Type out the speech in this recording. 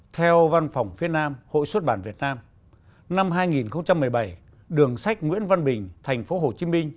theo văn phòng phía nam hội xuất bản việt nam năm hai nghìn một mươi bảy đường sách nguyễn văn bình tp hcm